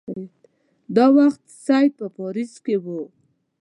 دا وخت سید په پاریس کې وو.